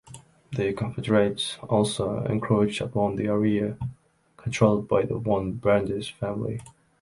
The Confederates also encroached upon the area controlled by the von Brandis family.